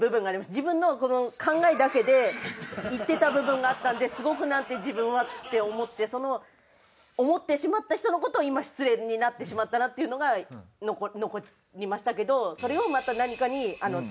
自分のこの考えだけでいってた部分があったのですごく「なんて自分は」って思ってその思ってしまった人のことを今失礼になってしまったなっていうのが残りましたけどあよかった。